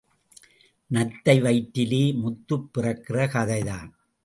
நத்தை வயிற்றிலே முத்து பிறக்கிற கதைதான்..!